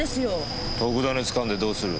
特ダネつかんでどうする？